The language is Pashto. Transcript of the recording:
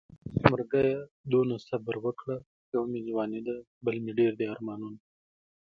مرګيه دومره صبر وکړه يو مې ځواني ده بل مې ډېر دي ارمانونه